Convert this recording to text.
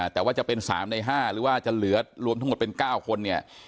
แต่ว่าจะเป็น๓ใน๕หรือว่าจะเหลือรวมทั้งหมดเป็น๙คนเนี่ย